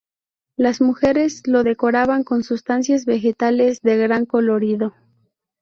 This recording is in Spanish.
Las mujeres los decoraban con sustancias vegetales de gran colorido.